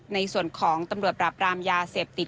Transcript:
ในส่วนของตำรวจปราบรามยาเสพติด